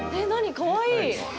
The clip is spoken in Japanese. かわいい。